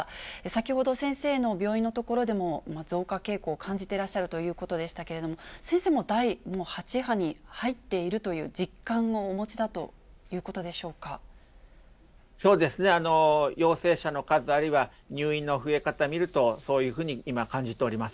先ほど先生の病院の所でも、増加傾向、感じていらっしゃるということでしたけれども、先生、もう第８波に入っているという実感をお持ちだということでしょうそうですね、陽性者の数、あるいは入院の増え方見ると、そういうふうに今、感じておりま